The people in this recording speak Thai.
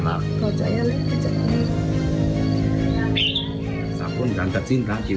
มันรับไม่ได้แบบนี้มันรับไม่ได้ด้วยอาจจะเป็นคนแรกตัว